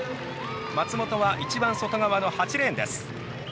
松本は、一番外側の８レーンです。